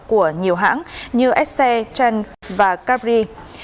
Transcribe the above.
của nhiều hãng như essay trang và capri